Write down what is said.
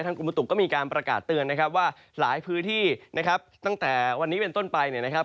กรมบุตุก็มีการประกาศเตือนนะครับว่าหลายพื้นที่นะครับตั้งแต่วันนี้เป็นต้นไปเนี่ยนะครับ